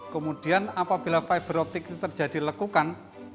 kemudian apabila fiberoptik itu terjadi lekukan